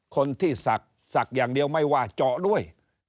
คนที่ศักดิ์ศักดิ์อย่างเดียวไม่ว่าเจาะด้วย